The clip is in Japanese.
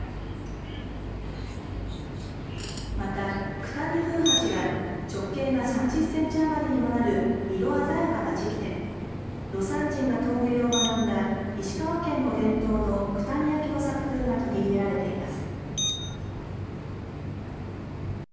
また、九谷風鉢は直径が３０センチ余りにもなる色鮮やかな磁器で魯山人が陶芸を学んだ石川県の伝統の九谷焼の作風が取り入れられています。